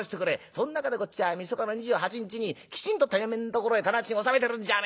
そん中でこっちはみそかの２８日にきちんとてめえのところへ店賃納めてるんじゃねえか。